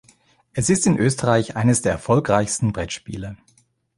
Es ist in Österreich eines der erfolgreichsten Brettspiele.